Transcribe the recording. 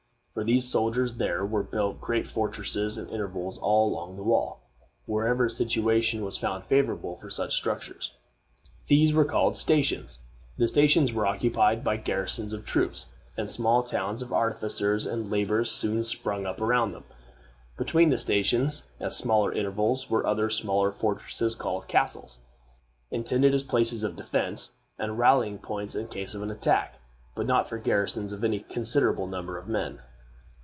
For these soldiers there were built great fortresses at intervals along the wall, wherever a situation was found favorable for such structures. These were called stations. The stations were occupied by garrisons of troops, and small towns of artificers and laborers soon sprung up around them. Between the stations, at smaller intervals, were other smaller fortresses called castles, intended as places of defense, and rallying points in case of an attack, but not for garrisons of any considerable number of men.